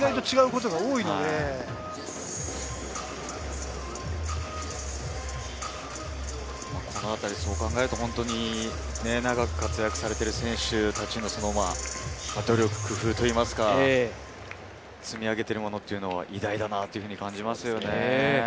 このあたり、そう考えると長く活躍されている選手、努力、工夫といいますか、積み上げているものってのは偉大だなと感じますね。